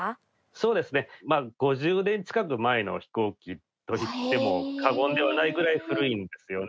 そうですね５０年近く前の飛行機と言っても過言ではないぐらい古いんですよね。